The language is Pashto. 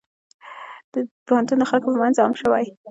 پوهنتون د خلکو په منځ عام شوی.